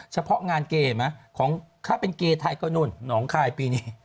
เฉพาะงานเกย์เห็นไหมของถ้าเป็นเกย์ไทยก็นู่นหนองคายปีนี้